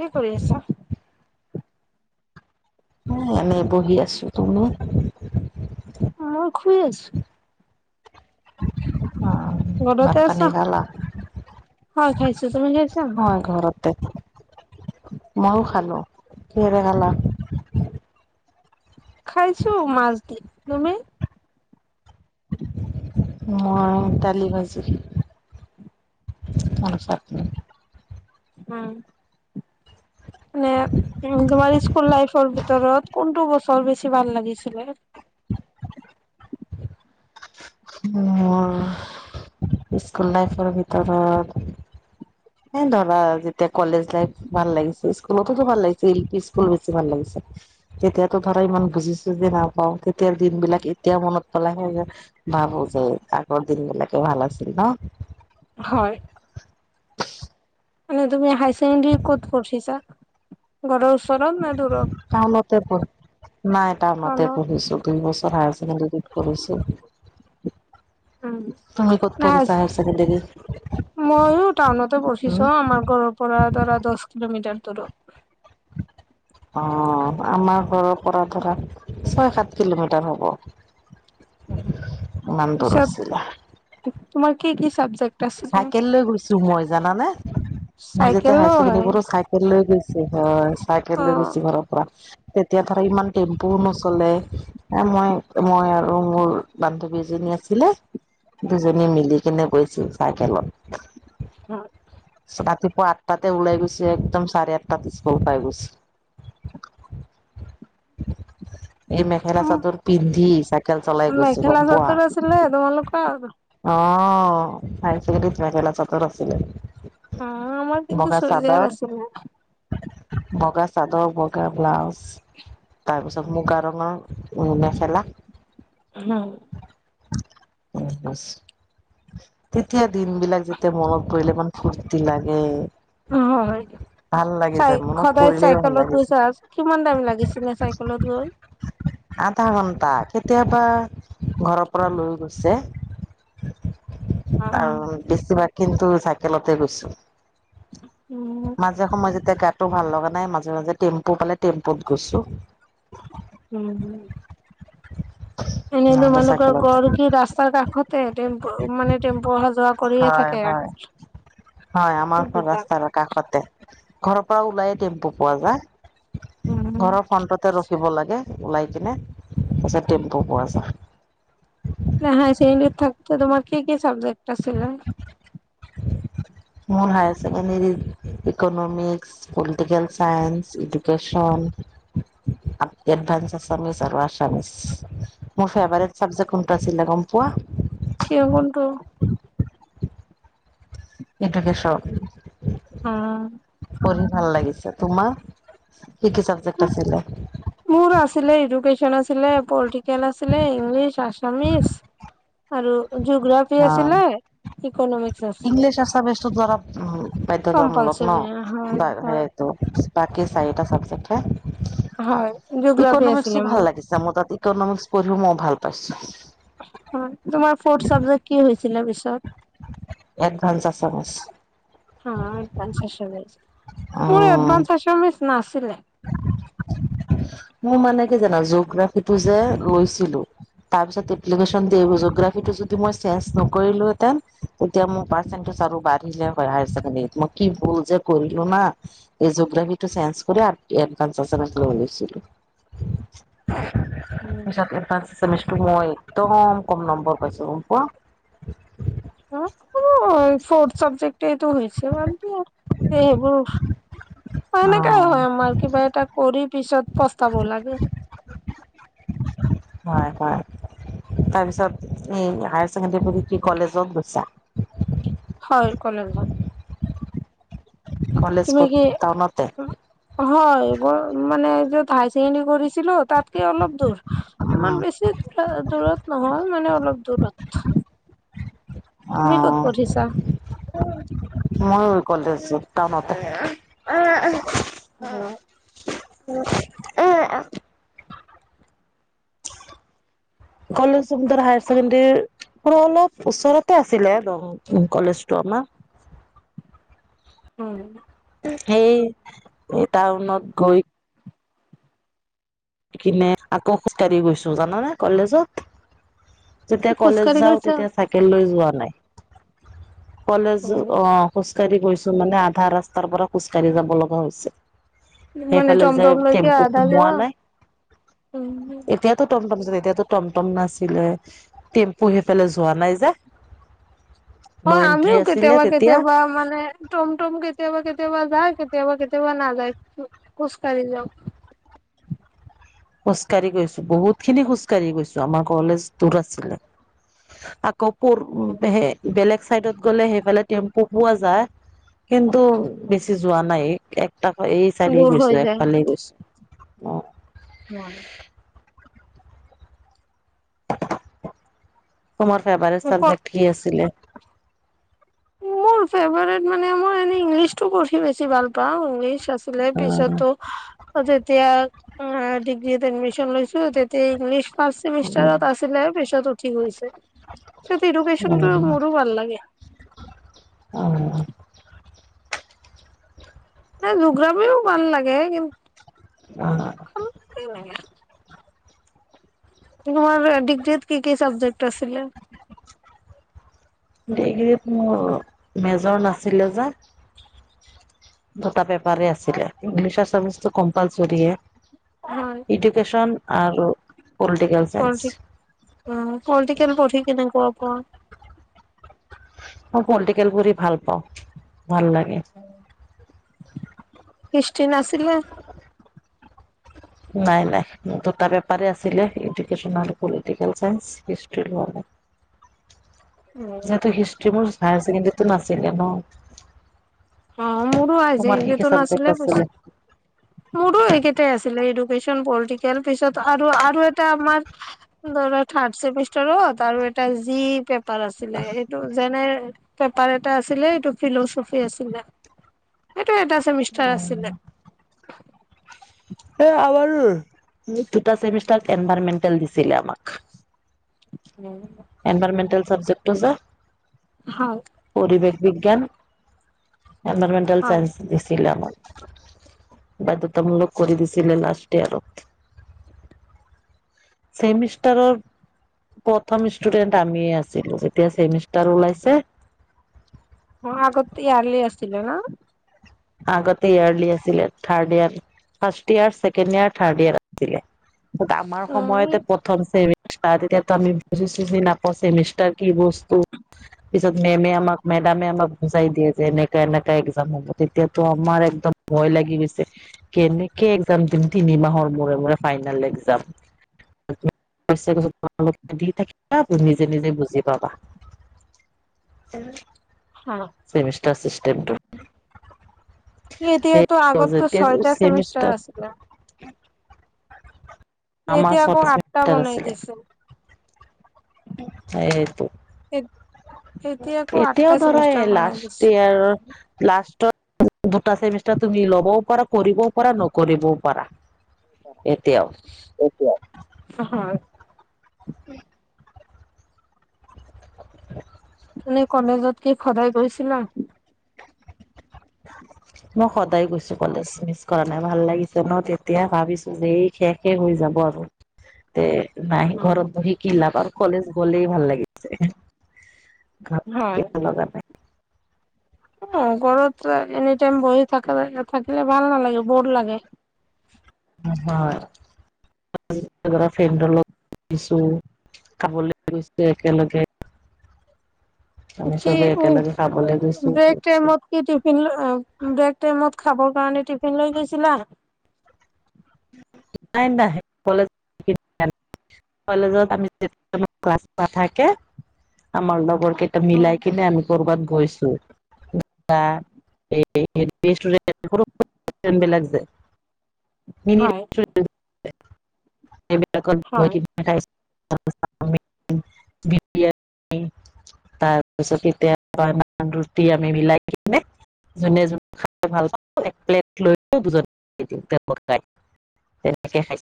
কি কৰি আছা? আমি বহি আছো, তুমি? মই শুই আছো। অ' ভাত ঘৰতে পানী আছা? খালা। হয় খাইছো, তুমি খাইছা। ময়ো খালো, কিহতৰ খালা। খাইছো মাছ দি, তুমি? মই দালি ভাজি আৰু চাটনি। উম। মানে উ তোমাৰ স্কুল লাইফৰ ভিতৰত কোনটো বছৰ বেছি ভাল লাগিছিলে। [inaudible] মোৰ স্কুল লাইফৰ ভিতৰত। এ ধৰা যেতিয়া কলেজ লাইফ ভাল লাগিছিল। স্কুলততো ভাল লাগিছিলি এলপি স্কুল বেছি ভাল লাগিছিল। তেতিয়াতো ধৰা ইমান বুজিছো চোজি নাপাওঁ। তেতিয়াৰ দিন বিলাক এতিয়া মনত পেলাই হে যে। ভাবো যে আগৰ দিন বিলাকে ভাল আছিল ন। হয়। মানে তুমি হাইছেকেণ্ডাৰী ক'ত পঢ়িছা ঘৰৰ ওচৰত নে দূৰত। টাউনতে নাই তাৰ মতে টাউনত? পঢ়িছো দুই বছৰ হাইছেকেণ্ডৰীত পঢ়িছো। তুমি ক'ত পঢ়ীছা হাইছেকেণ্ডেৰি। মইো টাউনতে পঢ়িছো। আমাৰ ঘৰৰ পৰা ধৰা দহ কিলোমিটাৰ। ধৰক অ' আমাৰ ঘৰৰ পৰা ধৰা ছয় সাত কিলোমিটাৰ হ'ব। ইমান দূৰ পিছত আছিলে। তোমাৰ কি কি চাবজেক্ট। আছিলে? চাইকেল লৈ গৈছো মই জানানে মই যেতি হায় চাইকেলো ছেকেণ্ডাৰী হয়। পঢ়ো চাইকেল লৈ গৈছো। হয়, চাইকেল অ'। লৈ গৈছো ঘৰৰ পৰা। তেতিয়া ধৰ ইমান টেম্পুও নচলে এ মই মই আৰু মোৰ বান্ধৱীজনী। আছিলে দুজনী মিলি কেনে গৈছিল। চাইকেলত হয়। ত অ আঠটাতে উলাই গৈছে একদম চাৰে আঠতাত স্কুল পাই গৈছে [inaudible] এই মেখেলা উম, চাদৰ পিন্ধি চাইকেল চলাই গৈছে মেখেলা গম পোৱা চাদৰ আছিলে তোমালোকৰ? অ হাই ছেকেণ্ডাৰীত মেখেলা চাদৰ আছিলে অ আমাৰ কিন্তু বগা চোৰিজাৰ চাদৰ আছিলে বগা চাদৰ বগা ব্লাউজ তাৰপিছত মুগা ৰঙৰ মেখেলা হ উ বছ তেতিয়া দিন বিলাক যেতিয়া মনত পৰিলে ইমান ফৰ্তি লাগে অ হয় ভাল লাগি চাই যায় মনত সদায় পৰিলেই ভাল চাইকেলত লাগি যায় গৈছা কিমান টাইম লাগিছিলে চাইকেলত গৈ আধা ঘণ্টা কেতিয়াবা ঘৰৰ পৰা লৈ গৈছে আৰু বেছিভাগ কিন্তু চাইকেলতে গৈছো মাজে সময় য এতি গাতো ভাল লগা নাই মাজে মাজে টেম্পো পালে টেম পোত গছো এনেই তোমালোকৰ গড় কি ৰাস্তাৰ কাষতে তেম্প মান হয় হয় হয় আমাৰ ঘ সুবিধা। ৰাস্তাৰ কাষতে ঘৰৰ পৰা ওলাইএ টেম্পু পোৱা যায় উম, ঘৰৰ ফ্ৰন্টতে ৰখিব লাগে ওলাই কিনে তাছত টেম্পু পোৱা যায় হাইছেকণ্ডৰীত থকাতে তোমাৰ কি কি চাবজেক্ট আছিলে মোৰ higher secondary economics political science education advance Assamese Assamese মোৰ ফেভৰেট চাবজেক্ত কোনটো আছিলে গম পোৱা কিও কোনটো ইদুকেচন উম্ ভাল লাগিছে তোমাৰ কি কি চাবজেক্ আছিলে মোৰ আছিলে এডুকেশ্যন আছিলে পল্ট্ৰিকেল আছিলে ইংলিছ আছামিচ আৰু জিঅ'গ্ৰাফি অ'। আছিলে ইকনমিক ইংলিছ আছামিজ টো ধৰা বাধ্যতামূলক ন কম্পালচৰি হয় বা হয় সেইটো বাকি চাৰিটা হয় চাবজেক্টহে জিঅ'গ্ৰাফী আছিলে ইকনমিক্সটো মোৰ ভাল লাগিছে মোৰ তাত ইকনমিক্স পঢ়িও মই ভাল পাইছো হয় তোমাৰ ফৰ্থ চাবজেক কি হৈছিল পিচত এডভানছ আছামিজ হ এডভান্স আছামিজ অ মোৰ এডভান্স আচামিছ নাছিলে মোৰ মানে কি জানো জোগ্ৰাফিটো যে লৈছিলো তাৰপিছত এপ্লিকেচন দি জোগ্ৰাফিটো যদি মই চেঞ্জ নকৰিলোঁ হে তেতিয়া মোৰ পাৰ্চেন্ত বাঢ়িলে হয় হাই হাই ছেকেণ্ডৰীত মই কি ভুল যে কৰিলো ন এই জিঅ গ্ৰাফি টো চেন্স কৰি [unintelligible] [inaudible] পিছত এডভান্স আছামিজত মই একদম কম নম্বৰ পাইছো গম পোৱা ফথ চাবজেকট [inaudible] টো হৈছে বাদ দিয়া আৰু সেইবোৰ অ এনেকাই হয় আমাৰ কিবা এটা কৰি পিছত পস্তাব লাগে হয় হয় তাৰপিছত এই হায়াৰ ছেকেণ্ডেৰী প কি কলেজত গৈছা হয় কলেজত কলেজ তুমি ক'ত কি টাউনতে হয় মানে য'ত হাই ছেকেণ্ডাৰী কৰি ছিলো তাতকে অলপ দূৰ ইমান উম, বেছি দূৰত নহয় মানে অলপ দূৰ পথ তুমি ক'ত পঢ়িছা মইো কলেজছো টাউনতে অ [unintelligible] কলেজৰ হায়াৰ ছেকেণ্ডাৰী অলপ ওচৰতে আছিলে কলেজটো আমাৰ উম সেই টাউনত গৈ আহ কিনে আকৌ খোজকাঢ়ি গৈছো জানানে কলেজত যেতিয়া কলেজ খোজকাঢ়ি যাওঁ গৈছা? তেতিয়া চাইকেল লৈ যোৱা নাই কলেজ অ খোজ কাঢ়ি গৈছো মানে আধা ৰাস্তাৰ পৰা খোজ কাঢ়ি যাব লগা হৈছে মানে সেইফালে যে টমটম লৈকে টেম্পু আধা কোমোৱা যোৱা? নাই এতিয়াতো টমটম এতিয়াতো টমটম নাছিলে টেম্পু সেইফালে যোৱা নাই যে ন হয় এন্ট্ৰি আমিও আছিলে কেতিয়াবা তেতিয়া কেতিয়াবা মানে টম টম কেতিয়াবা কেতিয়াবা যায় কেতিয়াবা কেতিয়াবা না যায় খুচকাঢ়ি যও খোজ ককাঢ়ি গৈছো বহুত খিনি খোজ কঢ়ি গৈছো আমাৰ কলেজ দূৰ আছিলে আকৌ পোৰ সে বেলেগ চাইডত গলে সেইফালে টেম্পু পোৱা যায় কিন্তু বেছি যোৱা নাই এক এই চাৰিয় দূৰ গৈছো হৈ এফালে গৈছো অ অ তমোৰ ফেভাৰট চাবজেক্টি আছিলে মোৰ ফেভট মানে মই এনে ইংলিছটো পঢ়ি বেছি ভাল পাওঁ ইংলিছ আ অ পিছতোতিয়াি ছো তেয়া ইংলি অ ফাৰমষ্টাৰত আছিলে পেছতো ঠিক সটোোক্যনটো মোৰো ভাল লাগে অ নাই জোগ্ৰফিও ভাল লাগে অ কিন্তু তোমাৰ ডিগ্ৰি কি কি চাবজেক্ট আছিলে গতোৰ মেজৰ নাছিলে যে দুটা পেপাৰ আছিলে ইংলিছৰাৰ্টো কম্পালচৰি হয় ইডুকেশ্যন আৰু পলিটিকেল চাইন্স পলিটিকেল পঢ়ি কেনেকুৱা পোৱা মই পলিটিকেল পঢ় ভাল পাওঁ ভাল লাগে হৃষ্টি নাছিলে নাই নাই দুটা পেপাৰ আছিলে এডুকে্যন পলিটিকেল চাইস হিষ্ট লোৱা উ যিহেতু হিষ্ট মোৰ হায়াৰ ছেকেণ্ডৰীতটো নাছিলে ন অ মোৰো আহিছে তোমাৰ কি কি সতো চাবজেক্ট নাছিলে ব আছিলে মোৰো সেইকেইটাই আছিলে এইটো ভ পলিটিকেল পিছত আৰু আৰু এটা আমাৰ ধৰা থাৰ্ড চেমিষ্টাৰত আৰু এটা জি পেপাৰ আছিলে সটো যেনে পেপাৰ এটা আছিলে এইটো ফিলচফি আছিলে এইটো এটা চেমিষ্টাৰ অ আছিলে। এই আাৰ দুটামষ্টাৰ এনভেন্ দিছিলে আমাক উম এনভাইৰমেণ্টেল চাবজেকটছ হয় পৰিৰিব বিজ্ঞান এনভাইৰমেণ্টেল হয় চায়েন্স দিছিলিলম বাধ্যতামূলক কৰি দিছিলে লাষ্ট ইয়াৰত মিষ্টাৰৰ প্ৰথম ষ্টুডেন্ট আমিয়ে আছিলো এতিয়া ছেমিষ্টাৰ ওলাইছে অ আগত ইয়াৰলি আছিল্তল ন আগতে ইয়াৰ্লি আছিলে third year first year second year third year আছিলে আমাৰ সময়তে প্ৰথম চেমষ্টাৰ তেতিয়াো আমি বুজি চুজি নাপাওঁ চেমিষ্টাৰ কি বস্তু পিছত মেমে আমাক মেডামে আমাক বুজাই দিয়ে যে এনেকাে এনেকাা একজাম হ'ব তেতিয়াাতো আমাৰ একদম ভয় লাগি গৈছে। কে এনেকে এক্জাম দিম তিনি মাহৰ মূৰে মৰে ফাই ফাইনেল এগ্জাম দি থাকা নিজে নিজে বুজি পাবা। উম', [inaudible] [unintelligible] স এতিয়াতো আগতো ছয়টা বজতে চেমিষ্টাৰ আছিলে সেমিষ্টাৰ মতিয়া আকৌ চৌত্ৰিশ আটটা মিটাৰ বনাই আছিলে দিছো। সেইটো এতিয়া আকৌ আঠটা এতিয়াও ধৰা চেমিষ্টাৰ বনাই দিছে। লাষ্ট ইয়াৰ লাষ্টত দুটা চেমিষ্টাৰ তুমি ল'বও পাৰা কৰিবও পাৰা নকৰিবও পাৰা। এতিয়াও [unintelligible] [unintelligible] উম', [unintelligible] মে কলেজত কি সদায় কৰিছিলা। উ', মই সদায় গৈছো কলেজ মিছ কৰা নাই ভাল লাগিছে ন তেতিয়া ভাবিছো যে এই শেষ শেষ হৈ যাব। ব তে নাই ঘৰত বহিকি লাভ আৰু কলেজ গলেই ভাল লাগিছে। হয়। অ', ঘৰতৰত এনে বহি থাক থাকিলে ভাল ন লাগে বৰ লাগে। উ', ছো খাবলৈ গৈছে একেলগে আমি কি চবে একেলগে খাবলৈ উ গৈছো ব্ৰেক টাইমত কি টিফিন ব্ৰেক টেমত খাবৰ কাৰণে টিফিন লৈ গৈছিলা কলেজ কলেজত আমিয়া ক্লাছ থাকে আমাৰ লগৰ কেইটা অ মিলাই কিনে আমি কৰবাত গৈছো যায় [unintelligible] হয় হয়। বি তাৰপিছত এতিয়া ৰুটি আমি মিলাই কিনে যোনে যোনে খাই ভাল প এক প্লেট লৈ দুজন দি খাই। এনেকে